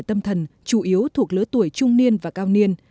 tâm thần chủ yếu thuộc lứa tuổi trung niên và cao niên